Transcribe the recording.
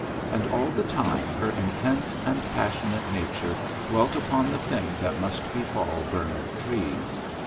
And all the time her intense and passionate nature dwelt upon the thing that must befall Bernard Treves.